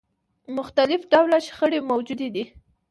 مختلف ډوله شخړې موجودې دي.